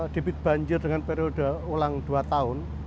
debit banjir dengan periode ulang dua tahun